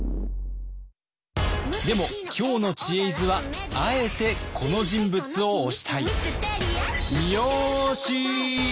でも今日の「知恵泉」はあえてこの人物を推したい。